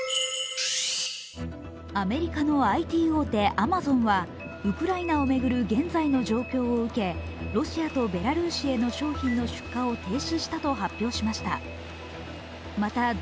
アメリカのＩＴ大手、アマゾンはウクライナを巡る現在の状況を受けロシアとベラルーシへの商品の出荷を停止したと発表しました。